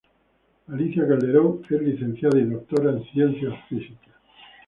Alicia Calderón es licenciada y doctora en Ciencias Físicas.